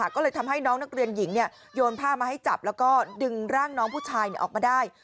ก็เลยทำให้น้องนักเรียนหญิงโยนผ้ามาให้จับแล้วก็ดึงร่างน้องผู้ชายออกมาได้